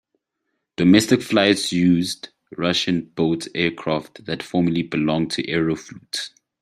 Domestic flights used Russian-built aircraft that formerly belonged to Aeroflot.